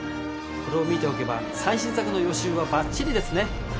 これを見ておけば最新作の予習はバッチリですね。